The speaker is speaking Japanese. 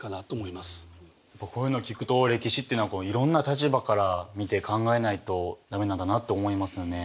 こういうの聞くと歴史っていうのはいろんな立場から見て考えないと駄目なんだなって思いますよね。